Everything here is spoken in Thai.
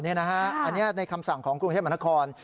อันนี้ในคำสั่งของคุณเทมนาคอล